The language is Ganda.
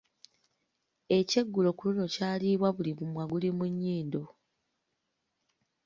Ekyeggulo ku luno kyaliibwa buli mumwa guli mu nnyindo.